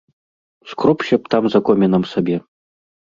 Скробся б там за комінам сабе.